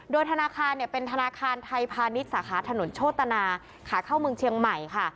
โดยธนาคารเนี่ยเป็นธนาคารไทยพาณิชย์สาขาถนนโชตนาขาเข้าเมืองเชียงใหม่ค่ะ